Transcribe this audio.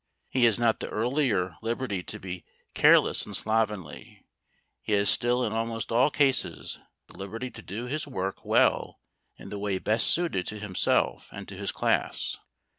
He has not the earlier liberty to be careless and slovenly; he has still in almost all cases the liberty to do his work well in the way best suited to himself and to his class.